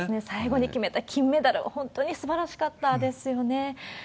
最後に決めた金メダル、本当にすばらしかったですよね。